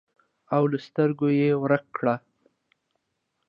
او له سترګو یې ورک کړ.